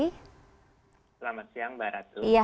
selamat siang mbak ratu